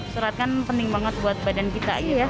serat kan penting banget buat badan kita gitu